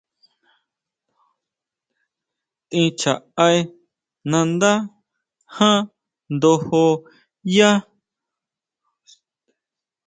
Tʼín chjaʼé nandá jan ndojo yá.